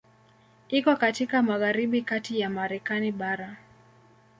Iko katika magharibi kati ya Marekani bara.